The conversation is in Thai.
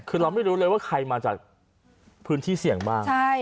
คือเราไม่รู้เลยว่าใครมาจากพื้นที่เสี่ยงบ้าง